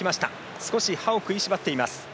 少し歯を食いしばっています。